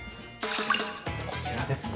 こちらですね。